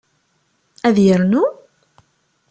Ad yernu?